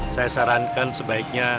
saya sarankan sebaiknya